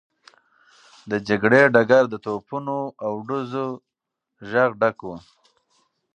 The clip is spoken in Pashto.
د جګړې ډګر د توپونو او ډزو غږ ډک و.